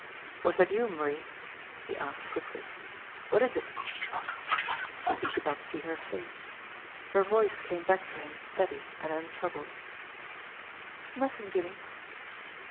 "Was that you, Marie ?" he asked quickly. "What is it ?" He could not see her face. Her voice came back to him steady and untroubled : "Nothing, Jimmie."